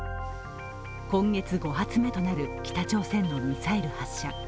今月５発目となる北朝鮮のミサイル発射。